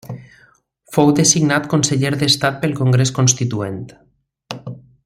Fou designat conseller d'Estat pel Congrés Constituent.